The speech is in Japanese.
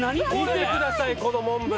見てくださいこのモンブラン。